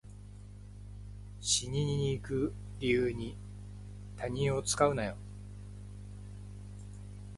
死にに行く理由に他人を使うなよ